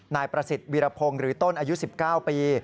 นายประสิทธิ์วิรพงศ์หรือต้นอายุ๑๙ปี